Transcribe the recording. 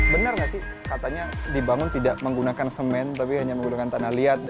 benar nggak sih katanya dibangun tidak menggunakan semen tapi hanya menggunakan tanah liat